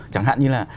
chẳng hạn như là